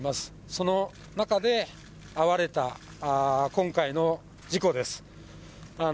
その中で遭われた今回の事故です。